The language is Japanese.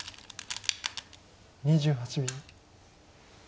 ２８秒。